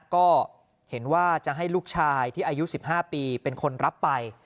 ก็เห็นว่าจะให้ลูกชายที่อายุ๑๕ปีเป็นคนรับไป